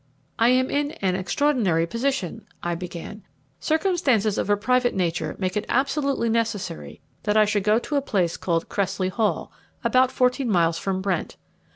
"I am in an extraordinary position," I began. "Circumstances of a private nature make it absolutely necessary that I should go to a place called Cressley Hall, about fourteen miles from Brent.